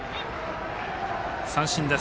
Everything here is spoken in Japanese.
三振です。